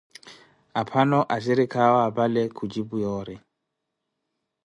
Aphano axhirikha awe apale khuncipu yoori.